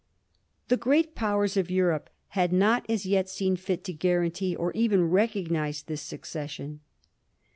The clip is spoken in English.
The great Powers of Europe had not as yet seen fit to guarantee, or even recognise, this succession.